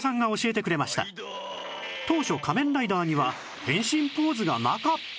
当初仮面ライダーには変身ポーズがなかった？